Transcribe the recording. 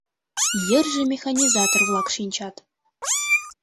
Йырже механизатор-влак шинчат.